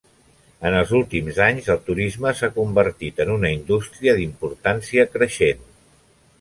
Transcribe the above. En els últims anys el turisme s'ha convertit en una indústria d'importància creixent.